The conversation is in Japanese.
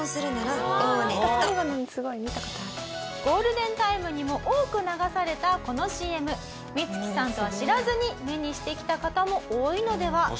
「ゴールデンタイムにも多く流されたこのＣＭ」「光輝さんとは知らずに目にしてきた方も多いのでは？」